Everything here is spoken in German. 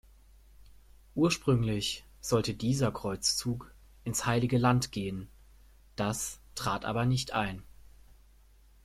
Ursprünglich sollte dieser Kreuzzug ins Heilige Land gehen, dass trat aber nicht ein.